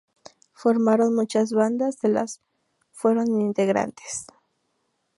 Formaron muchas bandas de las fueron integrantes.